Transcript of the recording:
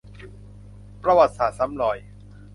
ประวัติศาสตร์ซ้ำรอย